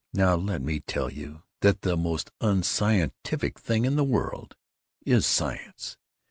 _ Now, let me tell you that the most unscientific thing in the world is science!